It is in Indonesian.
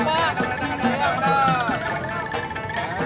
bila datang udah contain